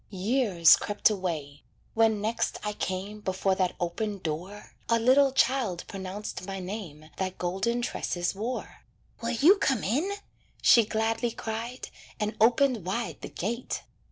Years crept away. When next I came Before that open door, A little child pronounced my name That golden tresses wore. "Will you come in?" she gladly cried, And opened wide the gate.